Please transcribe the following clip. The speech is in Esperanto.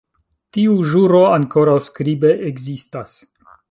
Tiu ĵuro ankoraŭ skribe ekzistas.